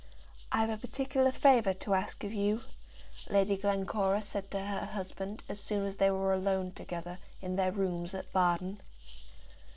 "I've a particular favour to ask of you," Lady Glencora said to her husband, as soon as they were alone together in their rooms at Baden.